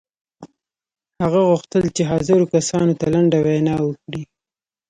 هغه غوښتل چې حاضرو کسانو ته لنډه وینا وکړي